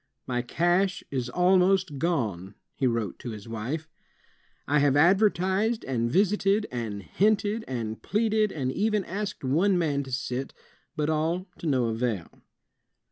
"My cash is almost gone," he wrote to his wife. "I have advertised, and visited, and hinted, and pleaded, and even asked one man to sit, but all to no avail."